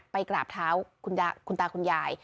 กราบเท้าคุณตาคุณยาย